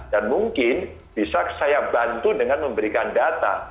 dan mungkin bisa saya bantu dengan memberikan data